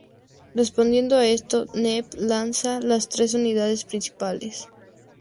Respondiendo a esto, Nerv lanza las tres unidades principales.